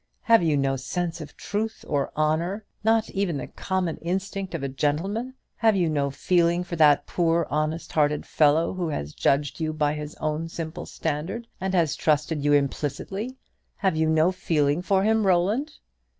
Have you no sense of truth or honour? not even the common instinct of a gentleman? Have you no feeling for that poor honest hearted fellow who has judged you by his own simple standard, and has trusted you implicitly? have you no feeling for him, Roland?"'